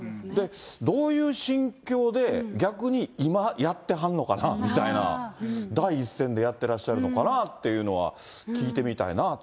どういう心境で逆に今、やってはんのかなみたいな、第一線でやってらっしゃるのかなっていうのは聞いてみたいなと。